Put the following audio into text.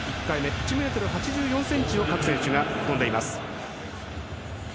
１ｍ８４ｃｍを各選手が跳んでいます。